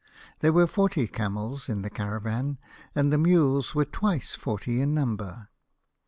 There were forty camels in the caravan, and the mules were twice forty in number.